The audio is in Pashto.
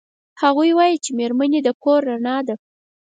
هغوی وایي چې میرمنې د کور رڼا ده